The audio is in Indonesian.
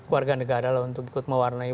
warga negara lah untuk ikut mewarnai